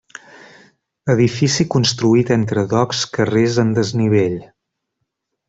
Edifici construït entre docs carrers en desnivell.